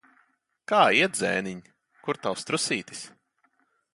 Kā iet, zēniņ? Kur tavs trusītis?